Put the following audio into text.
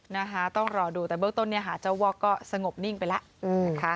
นะคะต้องรอดูแต่เบื้องต้นเนี่ยค่ะเจ้าวอกก็สงบนิ่งไปแล้วนะคะ